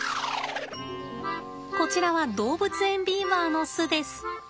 こちらは動物園ビーバーの巣です。